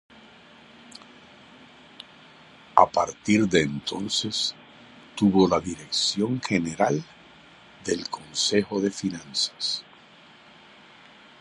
A partir de entonces tuvo la dirección general del Consejo de Finanzas.